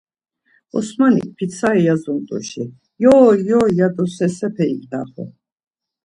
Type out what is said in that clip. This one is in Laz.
Osmanik pitsari yazumt̆uşi “yoy yoy” ya do sersepe ignapu.